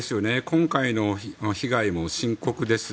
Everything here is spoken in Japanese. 今回の被害も深刻です。